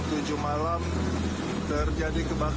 timnya sudah lewat